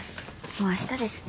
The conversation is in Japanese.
もう明日ですね。